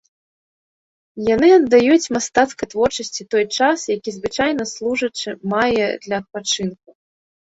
Яны аддаюць мастацкай творчасці той час, які звычайна служачы мае для адпачынку.